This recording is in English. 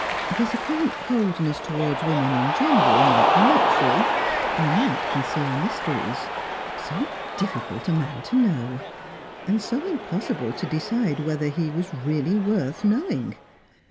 His apparent coldness towards women in general might be natural, or might conceal mysteries. So difficult a man to know! And so impossible to decide whether he was really worth knowing!